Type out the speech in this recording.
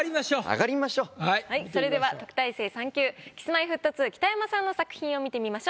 それでは特待生３級Ｋｉｓ−Ｍｙ−Ｆｔ２北山さんの作品を見てみましょう。